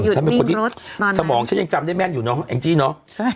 จะหยุดวิ่งรถสมองฉันยังจำได้แม่นอยู่เนอะเองจี้เนอะใช่